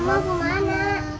mama mau kemana